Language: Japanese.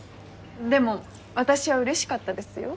でも私はうれしかったですよ。